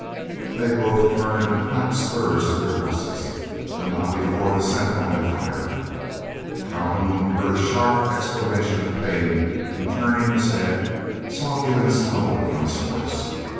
They both turned and clapped spurs to their horses, but not before the sentinel had fired. Calhoun heard a sharp exclamation of pain, and turning his head saw Givens tumble from his horse.